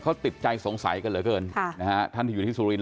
เขาติดใจสงสัยกันเหลือเกินค่ะนะฮะท่านที่อยู่ที่สุรินท